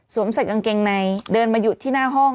ใส่กางเกงในเดินมาหยุดที่หน้าห้อง